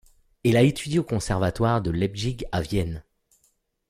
Il a étudié au Conservatoire de Leipzig et à Vienne.